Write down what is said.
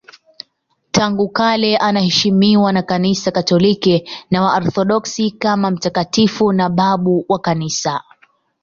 Tangu kale anaheshimiwa na Kanisa Katoliki na Waorthodoksi kama mtakatifu na babu wa Kanisa.